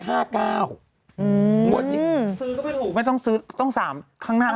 งวดนี้ซื้อก็ไม่ถูกไม่ต้องซื้อต้อง๓ข้างหน้า